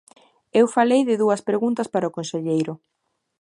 Eu falei de dúas preguntas para o conselleiro.